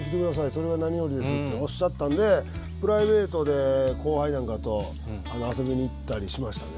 それが何よりですっておっしゃったんでプライベートで後輩なんかと遊びに行ったりしましたね。